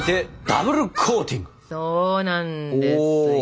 そうなんですよ。